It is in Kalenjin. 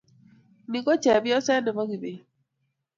Ni ko chepyoset nebo Kibet